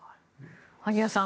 萩谷さん